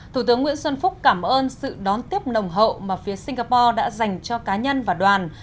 hai mươi một thủ tướng nguyễn xuân phúc cảm ơn sự đón tiếp nồng hậu mà phía singapore đã dành cho cá nhân và đoàn